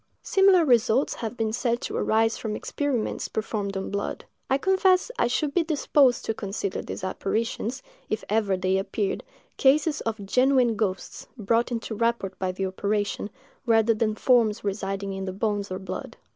Similar results have been said to arise from experiments performed on blood. I confess I should be disposed to consider these apparitions, if ever they appeared, cases of genuine ghosts, brought into rapport by the operation, rather than forms residing in the bones or blood.